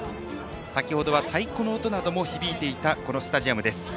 先程は太鼓の音なども響いていたこのスタジアムです。